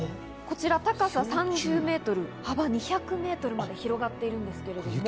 高さ３０ｍ、幅２００ｍまで広がっているんですけれども。